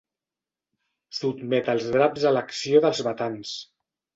Sotmet els draps a l'acció dels batans.